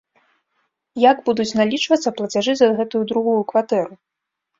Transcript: Як будуць налічвацца плацяжы за гэтую другую кватэру?